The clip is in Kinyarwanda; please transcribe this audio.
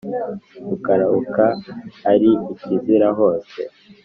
ukarabuka, ari ikizira hose